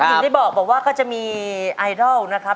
ถึงได้บอกว่าก็จะมีไอดอลนะครับ